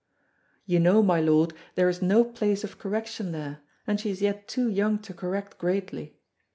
Ye know, my lord, there is no place of correction there; and she is yet too young to correct greatly."